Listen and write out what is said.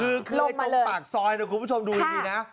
คือกล้ายตรงปากซอยคุณผู้ชมดูนี่นะ